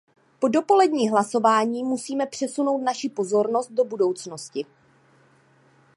Po dopoledním hlasování musíme přesunout naši pozornost do budoucnosti.